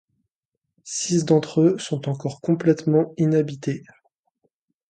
Six d'entre eux sont encore complètement inhabités.